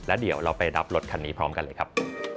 แล้วเดี๋ยวเราไปรับรถคันนี้พร้อมกันเลยครับ